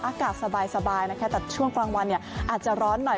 อากาศสบายนะคะแต่ช่วงกลางวันอาจจะร้อนหน่อย